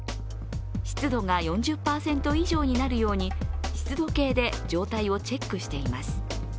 湿度が４０％以上になるように、湿度計で状態をチェックしています。